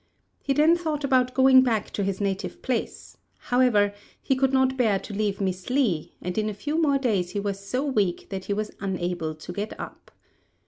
He then thought about going back to his native place; however, he could not bear to leave Miss Li, and in a few more days he was so weak that he was unable to get up.